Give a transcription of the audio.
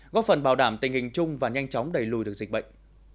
góp phần bảo đảm tình hình chung và nhanh chóng đẩy lùi được dịch bệnh